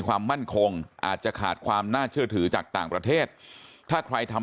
ความมั่นคงอาจจะขาดความน่าเชื่อถือจากต่างประเทศถ้าใครทำ